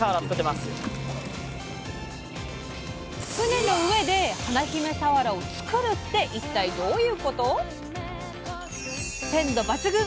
船の上で華姫さわらをつくるって一体どういうこと⁉鮮度抜群！